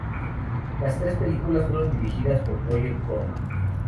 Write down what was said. Las tres películas fueron dirigidas por Roger Corman.